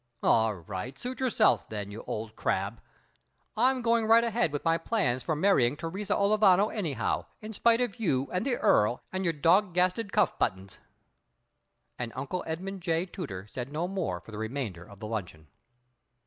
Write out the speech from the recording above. "All right, suit yourself then, you old crab! I'm going right ahead with my plans for marrying Teresa Olivano anyhow, in spite of you and the Earl and your dodgasted cuff buttons." And Uncle J. Edmund Tooter said no more for the remainder of the luncheon.